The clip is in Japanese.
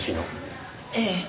ええ。